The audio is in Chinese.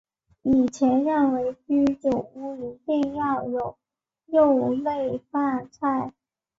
以前认为居酒屋一定要有肉类饭菜。